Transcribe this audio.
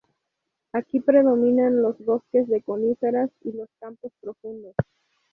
Aquí predominan los bosques de coníferas y los campos profundos.